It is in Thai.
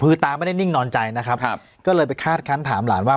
คือตาไม่ได้นิ่งนอนใจนะครับก็เลยไปคาดคันถามหลานว่า